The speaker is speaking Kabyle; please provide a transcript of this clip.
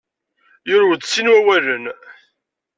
Yurew-d sin n wawalen.